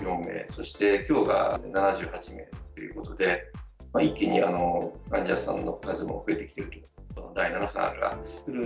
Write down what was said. そして今日が７８名ということで一気に患者さんの数も増えてきている。